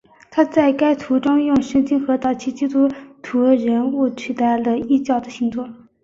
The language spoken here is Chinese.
他在该图中用圣经和早期基督徒人物取代了异教的星座。